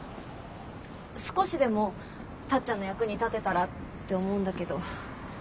少しでもタッちゃんの役に立てたらって思うんだけど。